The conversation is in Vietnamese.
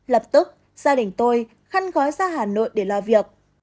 lập tức gia đình tôi khăn gói ra hà nội để lo việc